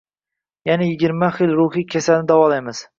Ya’ni yigirma xil ruhiy kasalni davolaymiz.